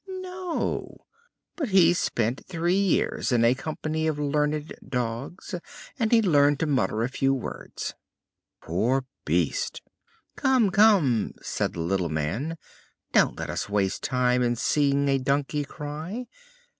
"No; but he spent three years in a company of learned dogs, and he learned to mutter a few words." "Poor beast!" "Come, come," said the little man, "don't let us waste time in seeing a donkey cry.